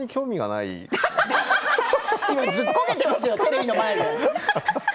笑い声ずっこけていますよテレビの前で。